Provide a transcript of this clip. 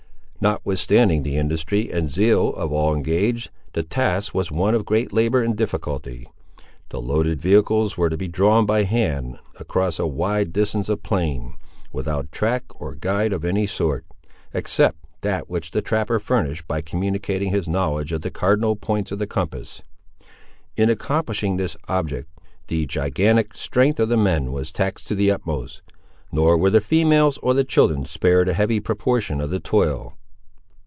Notwithstanding the industry and zeal of all engaged, the task was one of great labour and difficulty. The loaded vehicles were to be drawn by hand across a wide distance of plain without track or guide of any sort, except that which the trapper furnished by communicating his knowledge of the cardinal points of the compass. In accomplishing this object, the gigantic strength of the men was taxed to the utmost, nor were the females or the children spared a heavy proportion of the toil.